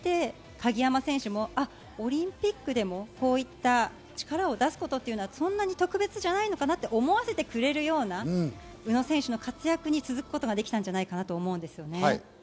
それを見て鍵山選手もオリンピックでもこういった力を出すことはそんなに特別じゃないのかなと思わせてくれるような、宇野選手の活躍に続くことができたんじゃないかなと思います。